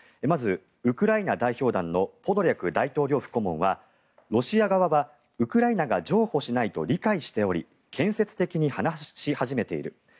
まずウクライナ代表団のポドリャク大統領府顧問はロシア側はウクライナが譲歩しないと理解しており建設的に話し始めている。